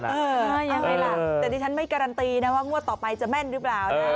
แต่ที่ฉันไม่การันตีนะว่างวดต่อไปจะแม่นหรือเปล่านะ